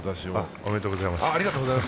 おめでとうございます。